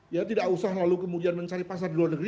ya tidak usah lalu kemudian mencari pasar dalam negeri